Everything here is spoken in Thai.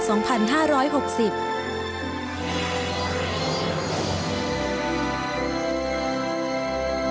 ฉบับวันที่๑๙ตุลาคมพุทธศักราช๒๕๖๐